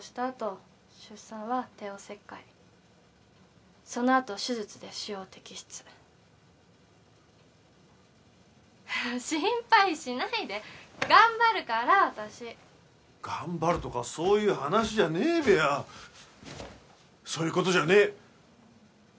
あと出産は帝王切開そのあと手術で腫瘍を摘出心配しないで頑張るから私頑張るとかそういう話じゃねえべやそういうことじゃねえ！